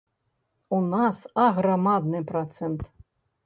У нас аграмадны працэнт.